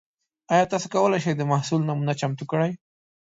ایا تاسو کولی شئ د محصول نمونه چمتو کړئ؟